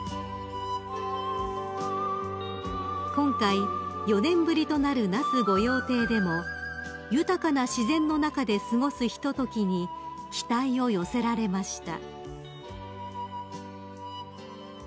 ［今回４年ぶりとなる那須御用邸でも豊かな自然の中で過ごすひとときに期待を寄せられました］